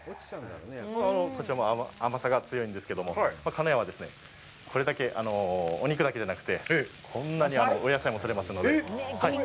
こちらも甘さが強いんですけど、鹿屋はお肉だけじゃなくて、こんなにお野菜も採れますので。